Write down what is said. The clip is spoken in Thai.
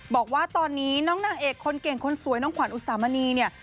บอกว่าตอนนี้น้องนางเอกคนเก่งคนสวยน้องขวัญอุสามณีเนี่ย